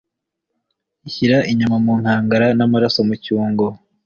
ashyira inyama mu nkangara n'amaraso mu cyungo